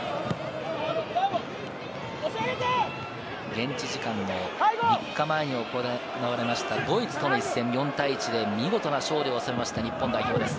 現地時間の３日前に行われたドイツとの一戦、４対１で見事な勝利を収めた日本代表です。